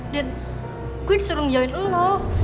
dan gue disuruh ngejauhin lo